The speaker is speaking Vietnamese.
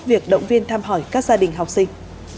việc động viên tham hỏi các gia đình học sinh